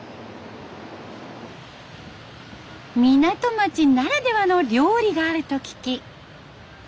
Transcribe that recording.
港町ならではの料理があると聞き。